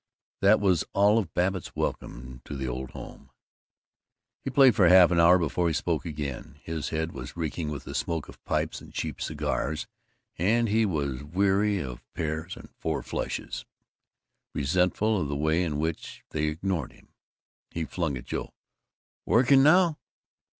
That was all of Babbitt's welcome to the old home. He played for half an hour before he spoke again. His head was reeking with the smoke of pipes and cheap cigars, and he was weary of pairs and four flushes, resentful of the way in which they ignored him. He flung at Joe: "Working now?"